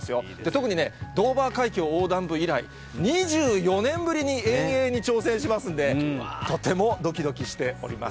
特にね、ドーバー海峡横断部以来、２４年ぶりに遠泳に挑戦しますんで、とてもどきどきしております。